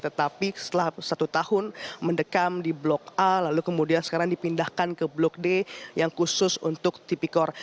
tetapi setelah satu tahun mendekam di blok a lalu kemudian sekarang dipindahkan ke blok d yang khusus untuk tipikor